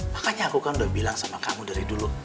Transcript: makanya aku kan udah bilang sama kamu dari dulu